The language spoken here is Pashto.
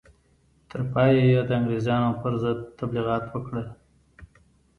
تر پایه یې د انګرېزانو پر ضد تبلیغات وکړل.